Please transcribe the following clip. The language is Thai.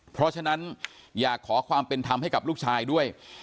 เพราะฉะนั้นอยากขอความเป็นธรรมให้กับลูกชายด้วย